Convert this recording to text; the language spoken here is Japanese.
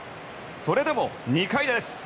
それでも２回です。